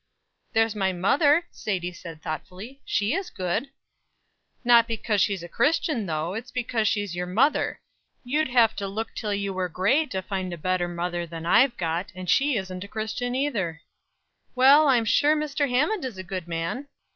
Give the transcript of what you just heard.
"There's my mother," Sadie said thoughtfully. "She is good." "Not because she's a Christian though; it's because she's your mother. You'd have to look till you were gray to find a better mother than I've got, and she isn't a Christian either." "Well, I'm sure Mr. Hammond is a good man."